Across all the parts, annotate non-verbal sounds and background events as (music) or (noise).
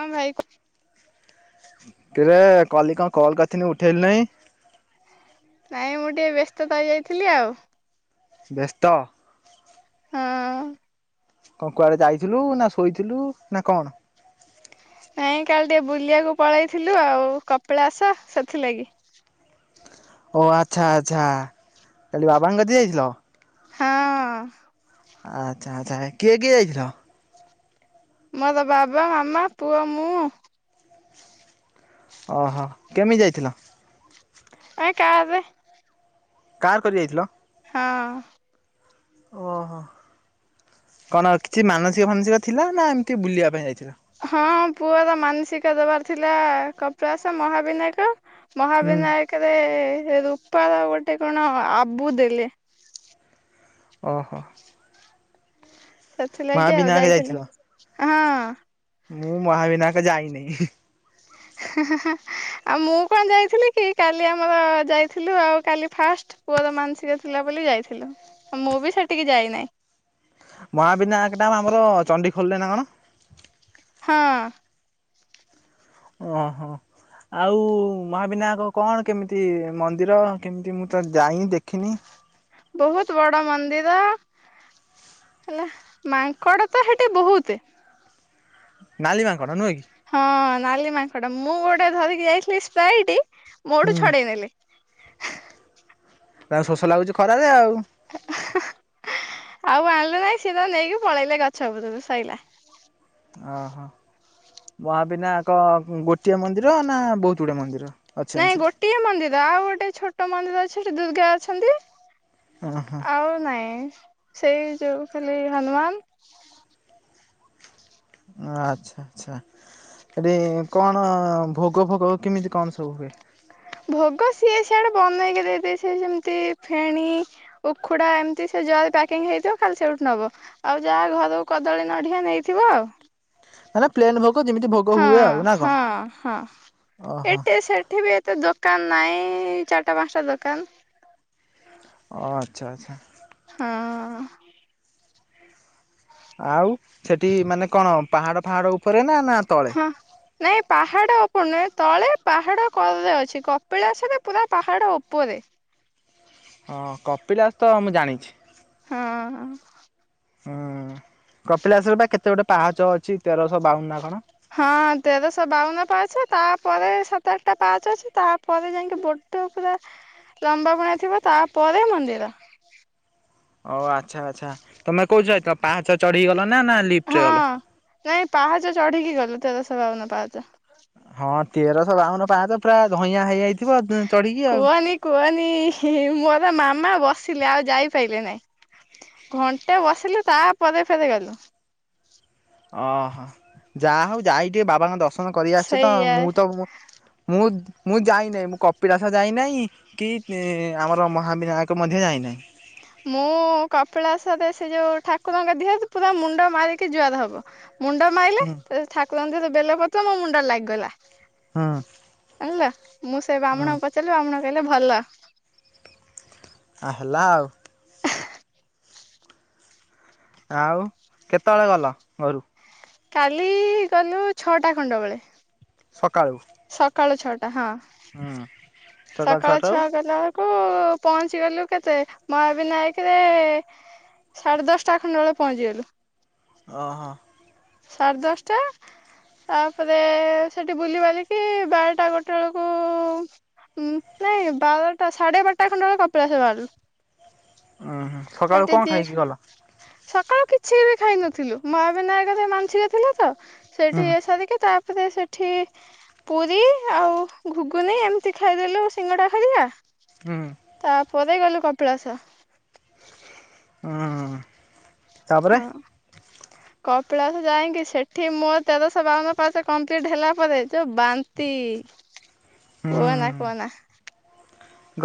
ହଁ ଭାଇ କୁ କିରେ କଲି କଣ କଲ୍ କରିଥିଲି ଉଠେଇଲୁ ନାଇଁ? ନାଇଁ ମୁଁ ଟିକେ ବ୍ୟସ୍ତତା ହେଇ ଯାଇଥିଲି ଆଉ ବ୍ୟସ୍ତ। ହଁ। କଣ କୁଆଡେ ଯାଇଥିଲୁ ନା ଶୋଇଥିଲୁ ନା କଣ? ନାଇଁ କାଲି ଟିକେ ବୁଲିବାକୁ ପଳେଇଥିଲୁ ଆଉ କପିଳାସ ସେଥିଲାଗି। ଓ ଆଚ୍ଛା ଆଚ୍ଛା କାଲି ବାବାଙ୍କ କଥି ଯାଇଥିଲ। ହଁ। ଆଛା ଆଚ୍ଛା କିଏ କିଏ ଯାଇଥିଲ? ମୋ ର ବାବା ମାମା ପୁଅ ମୁଁ ଓହୋ କେମିତି ଯାଇଥିଲ? ଏଇ କାର ରେ କାର୍ କରି ଯାଇଥିଲ? ହଁ। ଓହୋ କଣ କିଛି ମାନସିକ ଫାନସିକ ଥିଲା ନା ଏମିତି ବୁଲିବା ପାଇଁ ଯାଇଥିଲା? ହଁ ପୁଅର ମାନସିକ ଦବାର ଥିଲା କପିଳାସ ମହାବିନାୟକ ହୁଁ ମହାବିନାୟକରେ ରୂପାର ଗୋଟେ କଣ ଆବୁ ଦେଲେ। ଓହୋ। ସେଥିଲାଗି ଆଉ ମହାବିନାୟକ ଯାଇଥିଲି ଯାଇଥିଲ? ହଁ। ମୁଁ ମହାବିନାୟକ ଯାଇନି। ଆଉ ମୁଁ କଣ ଯାଇଥିଲି କି କାଲି ଆମର ଯାଇଥିଲୁ ଆଉ କାଲି ଫାଷ୍ଟ। ପୁଅର ମାନସିକ ଥିଲା ବୋଲି ଯାଇଥିଲୁ ମୁଁ ବି ସେଠିକି ଯାଇନାହିଁ। ମହାବିନାୟକ ଟା ଆମର ଚଣ୍ଡି ଖୋଲିଲେ ନା କଣ? ହଁ। ଓହୋ। ଆଉ ମହାବିନାୟକ କଣ କେମିତି ମନ୍ଦିର କେମିତି ମୁଁ ତ ଯାଇନି ଦେଖିନି? ବହୁତ ବଡ ମନ୍ଦିର ହେଲା ମାଙ୍କଡ ତ ହେଠି ବହୁତ ନାଲି ମାଙ୍କ ନୁହେଁ କି? ହଁ ନାଲି ମାଙ୍କଡ ମୁଁ ଗୋଟେ ଧରିକି ଯାଇଥିଲି ସ୍ପାଇରଟେ ମୁଠୁ ହୁଁ ଛଡେଇ ନେଲି ତାଙ୍କୁ ଶୋଷ ଲାଗୁଛି ଖରାରେ ଆଉ ଆଉ ଆଣିଲୁ ନାଇଁ ସିଏ ତ ନେଇକି ପଳେଇଲେ ଗଛ ବତରୁ ସଇଲା। ଓହୋ ମହାବିନାୟାକ ଗୋଟିଏ ମନ୍ଦିର ନା ବହୁତ ଗୁଡଏ ମନ୍ଦିର? ଅଛନ୍ତି ନାଇଁ ସେଠି? ଗୋଟିଏ ମନ୍ଦିର ଆଉ ଗୋଟେ ଛୋଟ ମନ୍ଦିର ଅଛି ସେଠି ଦୁର୍ଗା ଅଛନ୍ତି। ଓହୋ ଆଉ ନାଇଁ ସେଇ ଯୋଉ ଖାଲି ହନୁମାନ ଆଚ୍ଛା ଆଚ୍ଛା ଏଠି କଣ ଭୋଗ ଭୋଗ କେମିତି କଣ ସବୁ ହୁଏ। ଭୋଗ ସିଏ ସିଆଡେ ବନେଇକି ଦେଇଦ ସ ଯେମିତି ଫେଣି ଉ ଖୁଡା ଏମିତି ସେ ଜରି ପ୍ୟାକିଂ ହେଇଥିବ ଖାଲି ସେଇଠୁ ନବ। ଆଉ ଯାହା ଘରୁ କଦଳୀ ନଢଆ ନେଇଥିବ ଆଉ। ମ ପ୍ଲେନ୍ ଭୋଗ ଯେମିତି ଭୋଗ ହୁଏ ହଁ ଆଉ ନା ହଁ କଣ ଓହୋ। ଏଠିବି ଏତେ ଦୋକାନ ନାହିଁ ଚାରିଟା ପାଞ୍ଚଟା ଦୋକାନ। ଓ ଆଚ୍ଛା ଆଚ୍ଛା। ହଁ। ଆଉ ସେଠି ମାନେ କଣ ପାହାଡ ଫାହାଡ ଉପରେ ନା ନା ତଳେ? ହଁ। ନାଇଁ ପାହାଡ଼ ଉପପର୍ ନୁହେଁ ତଳେ ପାହାଡ କ ଅଛି କପିଳା ସରେ ପୁରା ପାହାଡ଼ ଉପରେ ହଁ କପିଳାସ ତ ମୁଁ ଜାଣିଛି। ହଁ ହଁ କପିଳାଶରେ ବା କେତେ ଗୋଟେ ପାହାଚ ଅଛି। ତେରଶହ ବାଉନ ନାଁ କଣ? ହଁ ତେରଶହ ବାଉନ ପାହାଚ। ତାପରେ ସାତ ଆଠଟା ପାହାଚ ଅଛି। ତାପରେ ଯାଇକି ବ (unintelligible) ପୁରା ଲମ୍ବା ଭଳିଆ ଥିବ ତାପରେ ମନ୍ଦିର। ଓ ଆଚ୍ଛା ଆଚ୍ଛା ତମେ କୋଉଠି ରହୁଥିଲ ପାହାଚ ଚଢ଼ି କି ଗଲ ନା ନା ହଁ। ଲିଫ୍ଟରେ ଗଲ। ନାଇଁ ପାହାଚ ଚଢ଼ି କି ଗଲୁ। ତେରଶହ ବାଉନ ପାହାଚ। ହଁ ତେରଶହ ବାଉନ ପାହାଚ ପୁରା ଧଇଁଆ ହେଇଯାଇଥିବ ଚଢ଼ି କି ଆଉ। କୁହନି କୁହନି ମୋର ମାମା ବସିଲେ ଆଉ ଯାଇପାଇଲେ ନାହିଁ। ଘଣ୍ଟେ ବସିଲୁ ତାପରେ ଫେର୍ ଗଲୁ। ଓହୋ ଯାହା ହଉ ଯାଇ ଟିକେ ବାବାଙ୍କ ଦର୍ଶନ କରି ଆସିଛ ତ। ସେଇଆ ମୁଁ ତ ମୁଁ ମୁଁ ମୁଁ ଯାଇ ନାହିଁ ମୁଁ କପିଳାସ ଯାଇ ନାହିଁ। କି ଆମର ମହାବିନାୟକ ମଧ୍ୟ ଯାଇ ନାହିଁ। ମୁଁ କପିଳାସରେ ସେ ଯୋଉ ଠାକୁରଙ୍କ ଦିହରେ ପୁରା ମୁଣ୍ଡ ମାରିକି ଜୁହାର ହବ। ମୁଣ୍ଡ ମାଇଲେ ହୁଁ ସେ ଠାକୁରଙ୍କ ସହିତ ବେଲ ପତ୍ର ମୋ ମୁଣ୍ଡରେ ଲାଗିଗଲା। ହଁ ହେଲା ମୁଁ ସେ ବ୍ରାହ୍ମଣଙ୍କୁ ପଚାରିଲି ବ୍ରାହ୍ମଣ କହିଲେ ଭଲ। ଆ ହେଲା ଆଉ। ଆଉ କେତେବେଳେ ଗଲ ଘରୁ କାଲି ଗଲୁ ଛଅଟା ଖଣ୍ଡ ବେଳେ। ସକାଳୁ ସକାଳ ଛଅଟା ହଁ ହୁଁ ସକାଳ ଛଅ ଗଲ। କୁ ପହଞ୍ଚି ଗଲୁ କେତେ ମହାବିିନାୟକରେ ସାଢ଼େ ଦଶଟା ଖଣ୍ଡ ବେଳେ ପହଞ୍ଚିଗଲୁ। ଓ ହଁ ସାଢ଼େ ଦଶଟା ତାପରେ ସେଇଠି ବୁଲି ବାଲିକି ବାରଟା ଗୋଟେ ବେଳକୁ ହୁଁ ନାଇଁ ବାରଟା ସାଢ଼େ ବାରଟା ଖଣ୍ଡେ ବେଳେ କପିଳାସ ବାହାରିଲୁ। ଓହୋ ହେଟି ଦିର୍ ସକାଳୁ କିଛି ବି ଖାଇନଥିଲୁ। ମହା ବିିନାୟକରେ ମାନସିକ ଥିଲା ତ। ହୁଁ ସେଠି ଇଏ ସାରି କି ତାପରେ ସେଠି ପୁରୀ ଆଉ ଘୁଗୁନି ଏମିତି ଖାଇଦେଲୁ ସିଙ୍ଗଡ଼ା ହେରିଆ। ହୁଁ ତାପରେ ଗଲୁ କପିଳାସ। ହଁ ହଁ ହଁ କପିଳାସ ଯାଇକି ସେଠି ମୋର ତେରଶହ ବାଉନ ପାହାଚ କମ୍ପ୍ଲିଟ୍ ହେଲା ପରେ ଯୋଉ ବାନ୍ତି। ହୁଁ କୁହନା କୁହନା।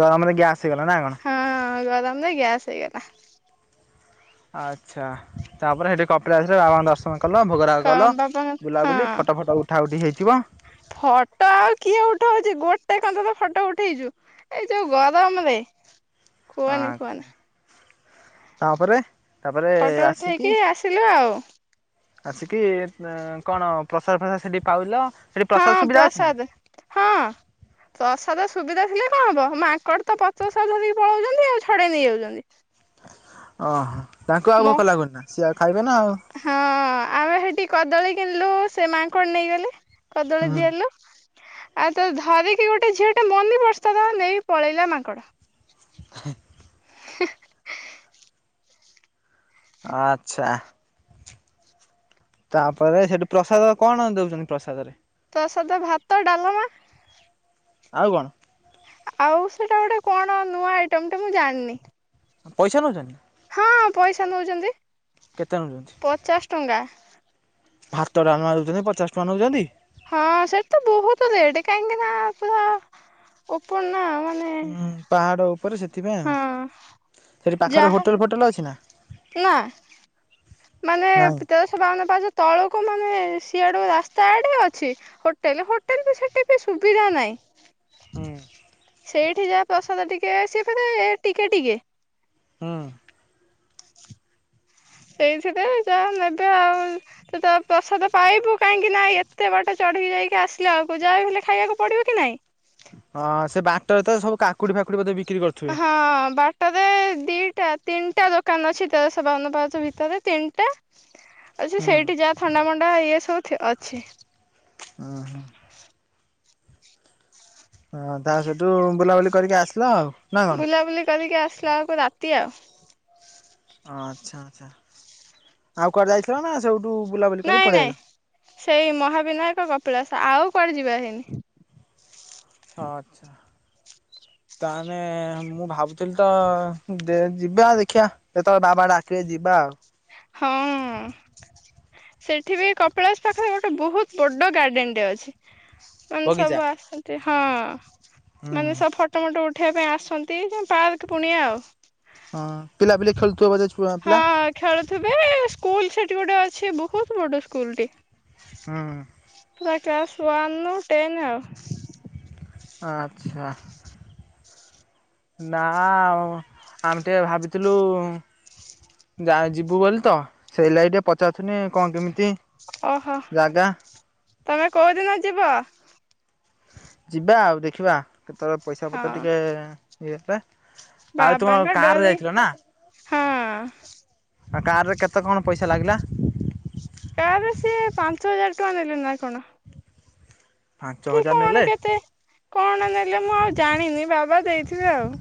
ଗରମରେ ଗ୍ୟାସ୍ ହେଇଗଲା ନାଁ କଣ? ହଁ ଗରମରେ ଗ୍ୟାସ୍ ହେଇଗଲା। ଆଚ୍ଛା ତାପରେ ସେଠି କପିଳାସ ବାବାଙ୍କ ଦର୍ଶନ କଲ ଭୋଗରାଗ କମ କଲ ବାପା ହଁ ବୁଲାବୁଲି ଫୋଟ ଫୋଟ ଉଠା ଉଠି ହେଇଥିବ। ଫଟୋ ଆଉ କିଏ ଉଠଉଛି? ଗୋଟେ କାନ୍ତେ ତ ଫଟୋ ଉଠେଇଚୁ। ଏଇ ଯୋଉ ଗରମରେ କୁହନି ଆଁ କୁହନି ତାପରେ? ତାପରେ ଆସିକି ଥିଲେ ଆଉ ଆସିକି ତେଏଁ କଣ ପ୍ରସାଦ ଫସାଦ ସେଠି ପାଇଲ ସେଠି ହଁ ପ୍ରସାଦ ସୁବିଧା ଅଛି ନା? ପ୍ରସାଦ ହଁ। ପ୍ରସାଦ ସୁବିଧା ଥିଲେ କଣ ହବ? ମାଙ୍କଡ ତ ପତର ସହ ଧରିକି ପଳଉଛନ୍ତି ଆଉ। ଛଡେଇ ନେଇଯାଉଛନ୍ତି। ଅ ହୋ ତାଙ୍କୁ ଆଉ ମ ଭୋକ ଲାଗୁନି ନା? ସିଏ ଆଉ ଖାଇବେ ନା ଆଉ। ହଁ ଆମେ ସେଠି କଦଳୀ କିଣିଲୁ, ସେ ମାଙ୍କଡ ନେଇଗଲେ କଦଳୀ ହୁଁ। ଦିଆଲୁ। ଆଉ ତ ଧରିକି ଗୋଟେ ଝିଅଟେ ମନିପର୍ସଟା ତାର ନେଇ ପଳେଇଲା ମାଙ୍କଡ। ହେଁ ଆ--ଚ୍ଛା। ତାପରେ ସେଠି ପ୍ରସାଦ କଣ ଦଉଛନ୍ତି ପ୍ରସାଦରେ? ପ୍ରସାଦ, ଭାତ ଡାଲମା ଆଉ କଣ? ଆଉ ସେଇଟା ଗୋଟେ କଣ ନୂଆ ଆଇଟମଟେ ମୁଁ ଜାଣିନି। ପଇସା ନେଉଚନ୍ତି? ହଁ ପଇସା ନଉଚନ୍ତି। କେତେ ନଉଚନ୍ତି? ପଚାଶ ଟଙ୍କା। ଭାତ ଡାଲମା ଦଉଚନ୍ତି ପଚାଶ ଟଙ୍କା ନଉଚନ୍ତି? ହଁ ସେଠି ତ ବହୁତ ରେଟ କାହିଁକି ନା ପୁରା ଓପନ ନା। ମା ହୁଁ ପାହାଡ଼ ଉପରେ ସେଥିପାଇଁ ଆଉ। ସେଠି ପାଖରେ ହୋଟେଲ ଫୋଟେଲ ଅଛି ନା? ଆଁ ମାନେ ନାହିଁ ତେରଶ ବାଉନ ପାହାଚ ତଳକୁ ମାନେ ସିଆଡ଼ୁକୁ ରାସ୍ତା ଆଡ଼େ ଅଛି। ହୋଟେଲ, ହୋଟେଲ ବି ସେଠି ବି ସୁବିଧା ନାହିଁ। ହୁଁ ସେଇଠି ଯାହା ପ୍ରସାଦ ଟିକେ, ସିଏ ଫେରେ ଟିକେ ଟିକେ। ହୁଁ ଏଇଥିରେ ଯାହା ନେବେ ଆଉ ତୁ ତ ପ୍ରସାଦ ପାଇବୁ କାହିଁକି ନା ଏତେ ବାଟ ଚଢ଼ିକି ଯାଇକି ଆସିଲା ବେଳକୁ ଯାହା ହେଲେ ଖାଇବାକୁ ପଡ଼ିବ କି ନାହିଁ? ହଁ ସେ ବାଟରେ ତ ସବୁ କାକୁଡି ଫାକୁଡି ବୋଧେ ବିକ୍ରି କରୁ ହଁ ବା ଟରେ ଦିଇଟା ତିନିଟା ଦୋକାନ ଅଛି ତେରଶ ବାଉନ ପାହାଚ ଭିତରେ। ତିନିଟା ଅଛି। ହୁଁ ସେଇଠି ଯାହା ଥଣ୍ଡା ମଣ୍ଡା ଇଏ ସବୁ ଥି ଅଛି। ଉଁ ହୁଁ ଅଁ ତା ସେଠୁ ବୁଲାବୁଲି କରିକି ଆସିଲ ଆଉ। ନା କଣ ବୁଲାବୁଲି କରିକି ଆସିଲା ଆଳକୁ ରାତି ଆଉ। ଆଚ୍ଛା ଆଚ୍ଛା। ଆଉ କୁଆଡ଼େ ଯାଇଥିଲ ନା ସେଉଠୁ ବୁଲାବୁଲି କରି ନାଇଁ ପଳେଇ ନାଇଁ ଆଇଲ? ସେଇ ମହାବିନାୟକ କପିଳାସ। ଆଉ କୁଆଡ଼େ ଯିବା ହେଇନି। ଆ--ଚ୍ଛା ତାହେନେ ମୁଁ ଭାବୁଥିଲି ତ ଦେ ଯିବା ଦେଖିଆ। ଯେତବେଳେ ବାବା ଡାକିବେ ଯିବା ଆଉ। ହଁ ସେଠି ବି କପିଳାସ ପାଖରେ ଗୋଟେ ବହୁତ ବଡ ଗାର୍ଡେନଟେ ଅଛି। ମାନେ ବଗିଚା ସବୁ ଆସନ୍ତି ହଁ ହୁଁ ମାନେ ସବୁ ଫ ମଟ ଉଠେଇବା ପାଇଁ ଆସନ୍ତି ପାର୍କ ପୁଣିଆ ଆଉ। ହଁ ପିଲା ପିଲେ ଖେଳଥିବ ବ ହଁ ଖେଳୁଥିବେ ସ୍କୁଲ ସେଠି ଗୋଟେ ଅଛି ବହୁତ ବଡ ସ୍କୁଲଟି। ହ। ପୁରା କ୍ଲାସ୍ ୱନ୍ରୁ ଟେନ୍ ଆଉ। ଆଚ୍ଛା। ନା ଆମେ ଟିକେ ଭାବିଥିଲୁ ଯା ଯିବୁ ବୋଲି ତ ସେଇ ଲାଇ ଟିକେ ପଚାରୁଥୁନି କଣ କେମିତି ଓହୋ ଜାଗା ତମେ କୋଉଦିନ ଯିବ? ଯିବା ଆଉ ଦେଖିବା କେତେବେଳେ ପଇସା ହଁ ପତ୍ର ଟିକେ ଇଏଲା ଆଉ ତୁମ ବାବାଙ୍କ କାରରେ ଡୋରି ଯାଇଥିଲ ନା? ହଁ। କାରରେ କେତେ କଣ ପଇସା ଲାଗିଲା? କାରରେ ସିଏ ପାଞ୍ଚ ହଜାର ଟଙ୍କା ନେଲେ ନା କଣ? ପାଞ୍ଚ କି ହଜାର କଣ ନେଲେ କେତେ କଣ ନେଲେ ମୁଁ ଆଉ ଜାଣିନି ବାବା ଦେଇଥିବେ ଆଉ।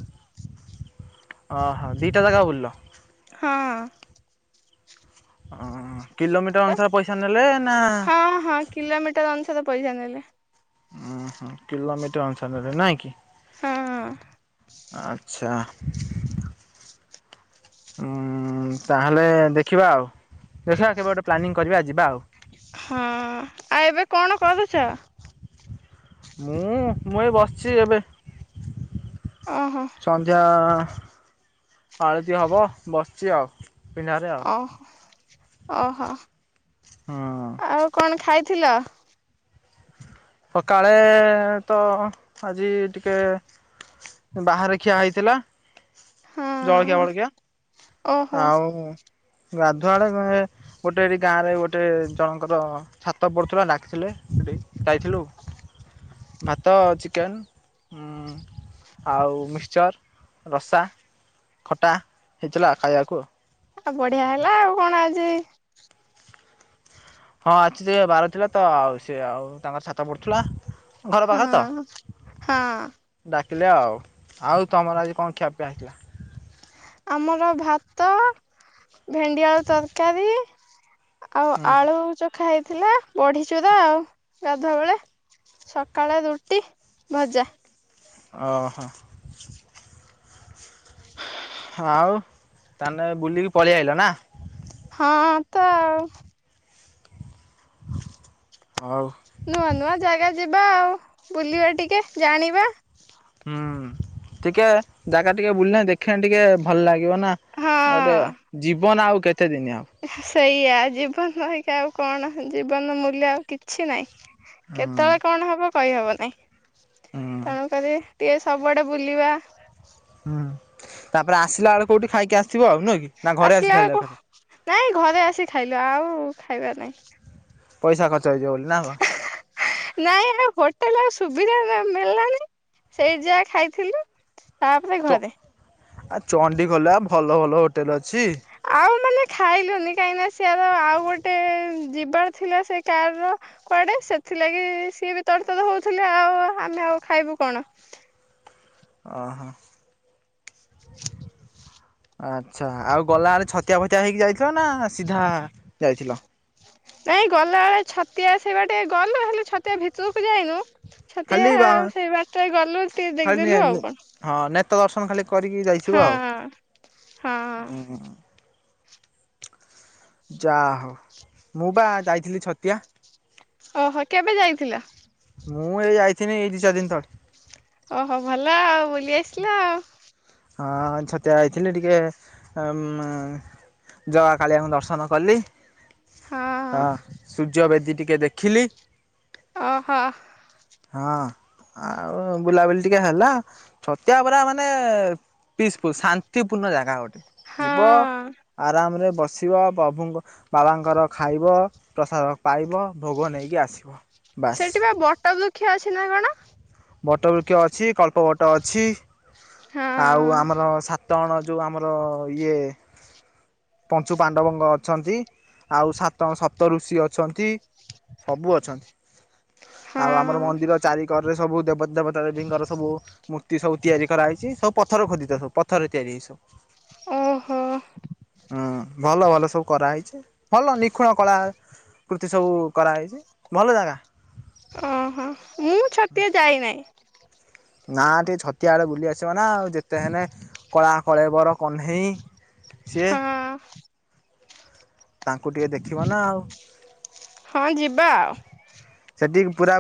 ଓହୋ ଦିଟା ଜାଗା ବୁିଲିଲ? ହଁ। ଓ କିଲୋମିଟର ଅନୁସାରେ ପଇସା ନେଲେ ନା ହଁ ହଁ କିଲୋମିଟର ଅନୁସାରେ ପଇସା ନେଲେ। ଉ ହୁଁ କିଲୋମିଟର ଅନୁସାରେ ନାଇଁ କି? ହଁ। ଆଚ୍ଛା। ହୁଁ ତାହେଲେ ଦେଖିବା ଆଉ? ଦେଖିବା କେବେ ଗୋଟେ ପ୍ଲାନିଂ କରିବା ଯିବା ଆଉ? ହଁ। ଆଉ ଏବେ କଣ କରୁଛ? ମୁଁ ମୁଁ ଏ ବସିଛି ଏବେ। ଓହୋ। ସନ୍ଧ୍ୟା ଆଳତି ହେବ ବସିଛି ଆଉ। ପିଣ୍ଡାରେ ଆଉ ଓହୋ ଓହୋ। ହୁଁ ଆଉ କଣ ଖାଇଥିଲ? ସକାଳେ ତ ଆଜି ଟିକେ ବାହାରେ ଖିଆ ହେଇଥିଲା ଜଳଖିଆ ହଁ ବଳକିଆ। ଓହୋ ଆଉ ଗାଧୁଆଡେ ଗ ଗୋଟେ ଗାଁରେ ଗୋଟେ ଜଣଙ୍କର ଛାତ ପଡ଼ୁଥିଲା ଡାକିଥିଲେ ସେଠି ଯାଇଥିଲୁ। ଭାତ ଚିକେନ୍। ଆଉ ମିକ୍ସଚର୍ ରସା ଖଟା ହେ ଖାଇବାକୁ ଆଉ ବଢିଆ ହେଲା ଆଉ କଣ ଆଜି? ହଁ ଆଜି ସେ ବାର ଥିଲା ତ ଆଉ ସେ ଆଉ ତାଙ୍କର ଛାତ ପଡୁଥିଲା। ଘର ପାଖ ତ ହଁ ହଁ ଡାକିଲେ ଆଉ ଆଉ ତମର ଆଜି କଣ ଖିଆପ (unintelligible) ଆମର ଭାତ, ଭେଣ୍ଡିଆଳୁ ତରକାରୀ। ଆଉ ହୁଁ ଆଳୁ ଚଖା ହେଇଥିଲା ବଢିଚୁରା ଆଉ ଗାଧୁଆ ବେଳେ ସକାଳ ରୁଟି, ଭଜା। ଓହୋ। ହଁ ଆଉ ତାନଲେ ବୁଲିକି ପଳେଇଆ ଆଇଲ ନା। ହଁ ତ ଆଉ। ହୋଊ ନୂଆ ନୂଆ ଜାଗା ଯିବା ଆଉ। ବୁଲିବା ଟିକେ ଜାଣିବା। ହୁଁ ଟିକେ ଜାଗା ଟିକେ ବୁଲେ ଦେଖେ ଟିକେ। ଭଲ ଲାଗିବ ନା ହଁ ଆଉଟେ ଯିବନ ଆଉ କେତେ ଦିନି ଆଉ। ସେଇଆ ଜୀବନ ରହିିକି ଆଉ କଣ ଜୀବନ ମୂଲ୍ୟ ଆଉ କିଛି ନହିଁ। ହୁଁ କେତେବେଳେ କଣ ହବ କହିହବ ନାହିଁ ହୁଁ ତେଣୁକରି ଟିକେ- - ସବୁଆଡ଼େ ବୁଲିବା। ହୁଁ ତାପରେ ଆସିଲା ବେଳକୁ କୋଉଠି ଖାଇକି - - ଆସିଲା ବେଳକୁ ନାଇଁ ଘରେ ଆସି ଖାଇଲୁ ଆଉ ଖାଇବାର ନାଇଁ। ପଇସା ଖର୍ଚ୍ଚ ହେଇଜିବ ବୋଲି ନା କଣ? ନାଇଁ ଆ ହୋଟେଲ ଆଉ ସୁବିଧା ମିଳିଲଣିି ସେଇଠି ଯାହା ଖାଇଥିଲୁ। ତାପରେ ଚ ଘରେ। ଆ ଚଣ୍ଡିଖଲରେ ଭଲ ଭଲ ହୋଟେଲ ଅଛି। ଆଉ ମାନେ ଖାଇଲୁନି କାହିଁକି ନା ସଆାର ଆଉ ଗୋଟେ ଯିବାର ଥିଲା ସେ କାର ର- - କୁଆଡେ ସେଥିଲାଗି ସିଏ ବି ତର ତଡ଼ ହଉଥିଲେ ଆଉ ଆମେ ଆଉ ଖାଇବୁ କଣ। ଓହୋ ହ ଆଚ୍ଛା ଆଉ ଗଲାବେଳେ ଛତିଆ ଫତିଆ ହେଇକି ଯାଇଥିଲ ନା ସିଧା ଯାଇଥିଲ। ନାଇଁ ଗଲାବେଳେ ଛତିଆ ସେଇ ବାଟେ ଗଲୁ ହେଲେ ଛତିଆ ଭିତରକୁ ଯାଇନୁ - - ଛତିଆ ଖାଲି ବା ସେଇ ବାଟରେ ଗଲୁ ଟିକେ ଖାଲି ଦେଖିଦେଲୁ ଆଉ କଁ। ହଁ ନେତ ଦର୍ଶନ ଖାଲି କରିକି ଯାଇଥିବ ଆଉ ହଁ ହଁ। ଯାହଉ ମୁଁ ବା ଯାଇଥିଲି ଛତିଆ। ଓହୋ କେବେ ଯାଇଥିଲ? ମୁଁ ଏଇ ଯାଇଥିନି ଏଇ ଦି ଚାର ଦିନ ତଳେ। ଓହୋ ଭଲ ଆଉ ବୁଲି ଆସିଲ ଆଉ। ହଁ ଛତିଆ ଯଇଥିଲି ଟିକେ ମ- - ଜଗା କାଳିଆଙ୍କୁ ଦର୍ଶନ କଲି। ହଁ ସୂର୍ଯ୍ୟବେଦୀ ଟିକେ ଦେଖିଲି। ଓହୋ ହଁ ଆଉ ବୁଲାବୁଲି ଟିକେ ହେଲା। ଛତିଆପୁରା ମାନେ ପିସଫୁଲ ଶାନ୍ତିପୂର୍ଣ୍ଣ ଜାଗା ଗୋଟେ। ହଁ ଯିବ ଆରାମରେ ବସି - - ଆସିବ ପ୍ରଭୁଙ୍କ ବାବାଙ୍କର ଖାଇବ ପ୍ରସାଦ ପାଇବ ଭୋଗ ନେଇକି ଆସି ସେଠି ବା ବଟବୃକ୍ଷ ଅଛି ନା କଣ? ବଟ ବୃକ୍ଷ ଅଛି କଳ୍ପ ବଟ ଅଛି ହଁ ଆଉ ଆମର ସା ତଣ ଯୋଉ ଆମର ଇଏ ପଞ୍ଚୁ ପାଣ୍ଡବଙ୍ଗ ଅଛନ୍ତି ଆଉ ସାତ ସପତ ଋଷି ଅଛନ୍ତି। ସବୁ ଅଛନ୍ତି। ଆଉ ଆମର ହଁ ମନ୍ଦିର ଚାରିିକରରେ ସବୁ- - ଦେବତା ଦେବୀଙ୍କର ସବୁ ମୂର୍ତ୍ତି ସବୁ ତିଆରି କରାହେଇଛି ସବୁ ପଥର ଖୋଦିତ ସବୁ ପଥରରେ ତିଆରି ହେଇଚି। ଓହୋ ହୁଁ ଭଲ ଭଲ ସବୁ କରାହେଇଚି ଭଲ ନିଖୁଣ କଳା କୃତି ସବୁ କରାହେଇଚି ଭଲ ଜାଗା। ଓହୋ ମୁଁ ଛତିଆ ଯାଇ ନାହିଁ। ନାଁ ଟିକେ ଛତିଆ ଆଡେ ବୁଲି ଆସ୍ ଆସିବ ନାଆଉ ଯେତେ ହେଲେ କଳା କଳେବର କହ୍ନେଇ ସିଏ। ହଁ ତାଙ୍କୁ ଟିକେ ଦେଖିବ ନା ଆଉ। ହଁ ଯିବା ଆଉ। ସେଠିକି ପୁରା।